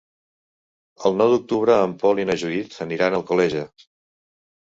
El nou d'octubre en Pol i na Judit aniran a Alcoleja.